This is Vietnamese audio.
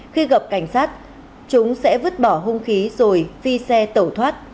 khi gặp cảnh sát chúng sẽ vứt bỏ hung khí rồi phi xe tẩu thoát